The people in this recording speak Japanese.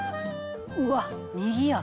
「うわっにぎやか！」